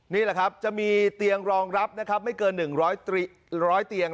นี่แหละครับจะมีเตียงรองรับนะครับไม่เกิน๑๐๐เตียง